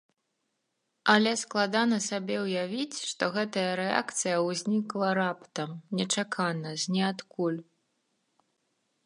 Але складана сабе ўявіць, што гэтая рэакцыя ўзнікла раптам, нечакана, з ніадкуль.